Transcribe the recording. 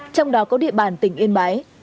trong đó có địa bàn tỉnh yên bái